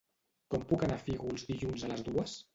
Com puc anar a Fígols dilluns a les dues?